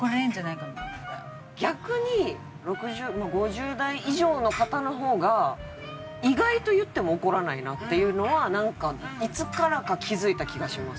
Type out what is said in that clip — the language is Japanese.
逆に６０５０代以上の方のほうが意外と言っても怒らないなっていうのはなんかいつからか気付いた気がします。